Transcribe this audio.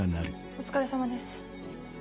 お疲れさまです。